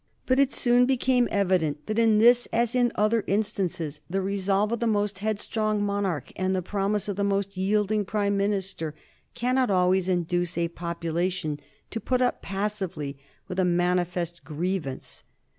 But it soon became evident that in this as in other instances the resolve of the most headstrong monarch, and the promise of the most yielding Prime Minister, cannot always induce a population to put up passively with a manifest grievance.